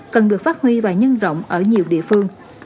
cần được phát huy và nhân rộng ở nhiều địa phương